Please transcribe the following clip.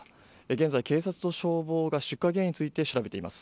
現在、警察と消防が出火原因について調べています。